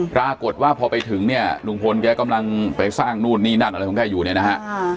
ปรากฏว่าพอไปถึงเนี่ยลุงพลแกกำลังไปสร้างนู่นนี่นั่นอะไรของแกอยู่เนี่ยนะฮะ